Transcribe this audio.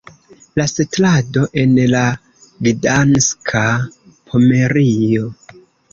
La setlado en la Gdanska Pomerio.